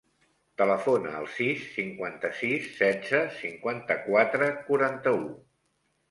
Telefona al sis, cinquanta-sis, setze, cinquanta-quatre, quaranta-u.